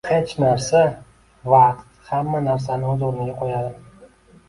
Hech narsa - vaqt hamma narsani o'z o'rniga qo'yadi